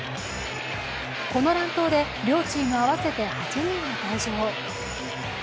この乱闘で両チーム合わせて８人が退場。